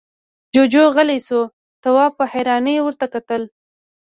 جُوجُو غلی شو، تواب په حيرانۍ ورته کتل…